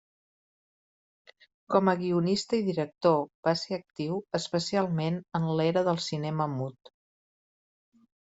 Com a guionista i director va ser actiu especialment en l’era del cinema mut.